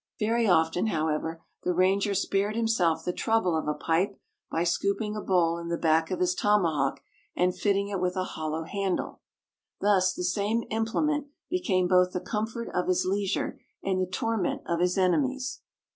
Very often, however, the ranger spared himself the trouble of a pipe by scooping a bowl in the back of his tomahawk and fitting it with a hollow handle. Thus the same implement became both the comfort of his leisure and the torment of his enemies.